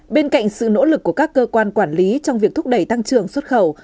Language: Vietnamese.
bên cạnh sự nỗ lực của các cơ quan quản lý trong việc thúc đẩy tăng trưởng xuất khẩu